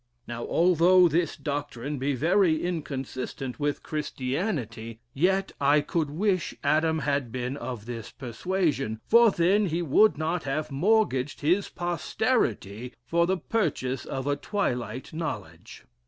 Now, although this doctrine be very inconsistent with Christianity, yet I could wish Adam had been of this persuasion, for then he would not have mortgaged his posterity for the purchase of a twilight knowledge.